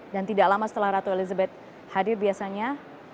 dan tidak lama setelah ratu elizabeth hadir biasanya